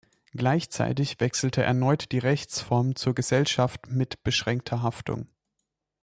Gleichzeitig wechselte erneut die Rechtsform zur Gesellschaft mit beschränkter Haftung.